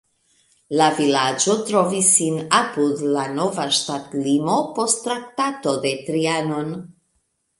La vilaĝo trovis sin apud la nova ŝtatlimo post Traktato de Trianon.